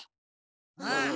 うん！